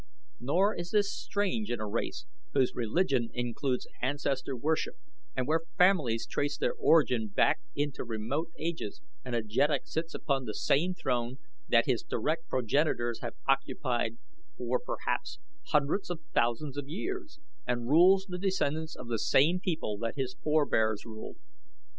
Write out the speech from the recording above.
Nor is this strange in a race whose religion includes ancestor worship, and where families trace their origin back into remote ages and a jeddak sits upon the same throne that his direct progenitors have occupied for, perhaps, hundreds of thousands of years, and rules the descendants of the same people that his forebears ruled.